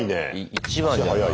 １番じゃない？